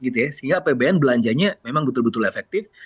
sehingga apbn belanjanya memang betul betul efektif